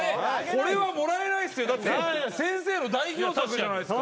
これはもらえないですよだって先生の代表作じゃないですか。